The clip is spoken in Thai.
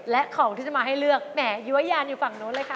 และของที่จะมาให้เลือกแหมยั้วยานอยู่ฝั่งนู้นเลยค่ะ